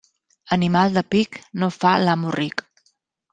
Animal de pic no fa l'amo ric.